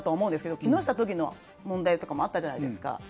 木下議員の問題もあったじゃないですか。